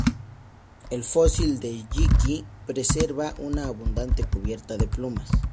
El fósil de "Yi qi" preserva una abundante cubierta de plumas.